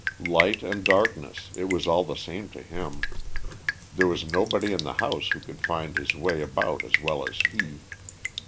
Light and darkness, it was all the same to him. There was nobody in the house who could find his way about as well as he.